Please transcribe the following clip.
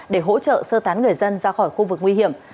để hỗ trợ sơ tán người dân ra khỏi khu vực nguy hiểm